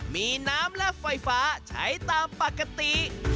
มีน้ำและไฟฟ้าใช้ตามปกติ